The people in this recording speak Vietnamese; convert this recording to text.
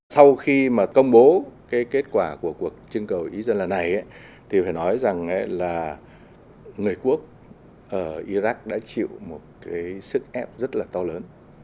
sau khi mà công bố cái kết quả của cuộc trưng cầu ý dân lần này thì phải nói rằng là người quốc ở iraq đã chịu một cái sức ép rất là to lớn